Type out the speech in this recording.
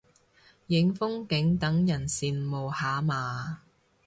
影風景等人羨慕下嘛